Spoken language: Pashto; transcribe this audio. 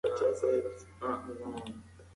د مروې جګړه په شپاړلسمه میلادي پېړۍ کې وشوه.